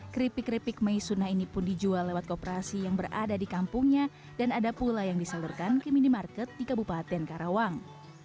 keripik keripik maisuna ini pun dijual lewat kooperasi yang berada di kampungnya dan ada pula yang disalurkan ke minimarket di kabupaten karawang